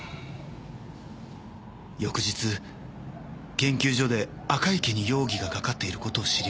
「翌日研究所で赤池に容疑がかかっている事を知りました」